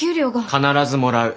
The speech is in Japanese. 必ずもらう。